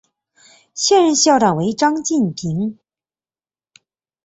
现任校长为张晋平。